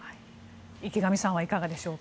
池上さんはいかがでしょうか。